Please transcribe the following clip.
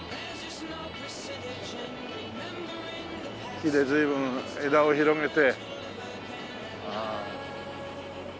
木で随分枝を広げて。